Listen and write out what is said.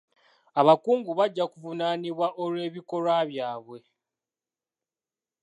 Abakungu bajja kuvunaanibwa olw'ebikolwa byabwe.